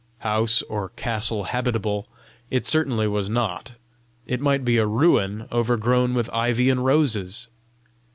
House or castle habitable, it certainly was not; it might be a ruin overgrown with ivy and roses!